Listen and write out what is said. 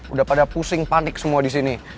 udah pada pusing panik semua di sini